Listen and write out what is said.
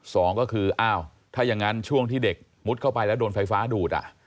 สองก็คืออ้าวถ้าอย่างนั้นช่วงที่เด็กมุดเข้าไปแล้วโดนไฟฟ้าดูด